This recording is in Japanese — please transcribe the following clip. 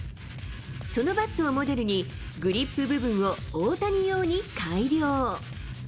そのバットをモデルに、グリップ部分を大谷用に改良。